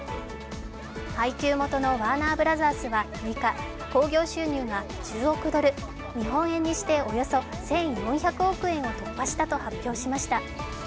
配給元のワーナー・ブラザースは６日、興行収入が１０億ドル、日本円にしておよそ１４００億円を突破したと発表しました。